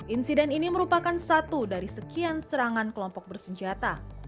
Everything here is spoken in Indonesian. insiden ini merupakan satu dari sekian serangan kelompok bersenjata